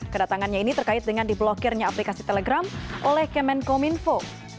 kedatangannya ini terkait dengan diblokirnya aplikasi telegram oleh kemenkominfo